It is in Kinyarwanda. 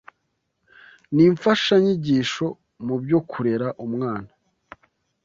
ni imfashanyigisho mu byo kurera umwana